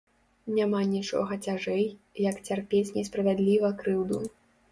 Няма нічога цяжэй, як цярпець несправядліва крыўду.